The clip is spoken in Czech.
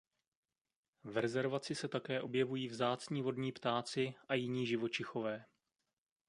V rezervaci se také objevují vzácní vodní ptáci a jiní živočichové.